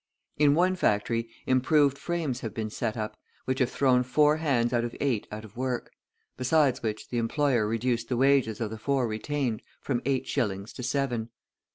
In one factory improved frames have been set up, which have thrown four hands out of eight out of work, besides which the employer reduced the wages of the four retained from eight shillings to seven.